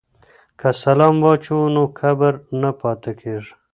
که سلام واچوو نو کبر نه پاتې کیږي.